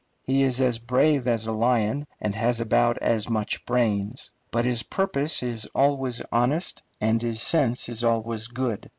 He is as brave as a lion, and has about as much brains; but his purpose is always honest, and his sense is always good.